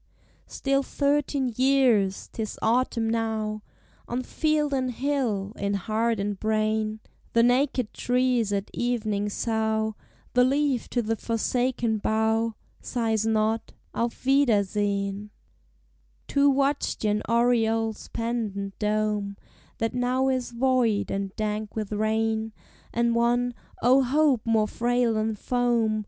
Still thirteen years: 't is autumn now On field and hill, in heart and brain; The naked trees at evening sough; The leaf to the forsaken bough Sighs not, "Auf wiedersehen!" Two watched yon oriole's pendent dome, That now is void, and dank with rain, And one, oh, hope more frail than foam!